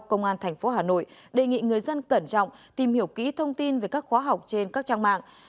công an tp hà nội đề nghị người dân cẩn trọng tìm hiểu kỹ thông tin về các khóa học trên các trang mạng